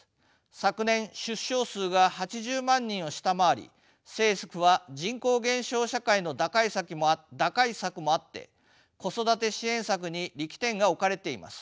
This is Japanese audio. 昨年出生数が８０万人を下回り政府は人口減少社会の打開策もあって子育て支援策に力点が置かれています。